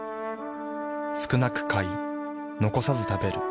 少なく買い残さず食べる。